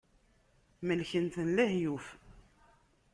Melken-ten lehyuf.